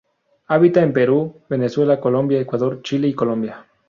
Habita en Perú, Venezuela, Colombia, Ecuador, Chile y Colombia.